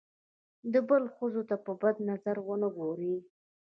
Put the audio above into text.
د بل ښځو ته په بد نظر ونه ګوري.